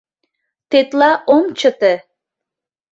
Тетла ом чыте!